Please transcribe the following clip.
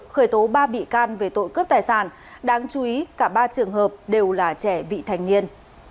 khởi tố ba bị can về tội cướp tài sản đáng chú ý cả ba trường hợp đều là trẻ vị thành niên